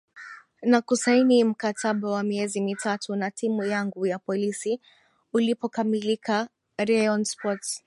na kusaini mkataba wa miezi mitatu na timu yangu ya Polisi ulipokamilika Rayon Sports